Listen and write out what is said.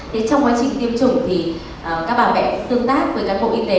trong quá trình tiêm chủng thì các bạn phải tương tác với các bộ y tế